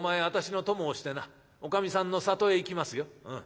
私の供をしてなおかみさんの里へ行きますよ。